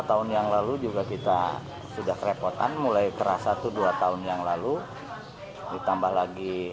tahun yang lalu juga kita sudah kerepotan mulai kerasa tuh dua tahun yang lalu ditambah lagi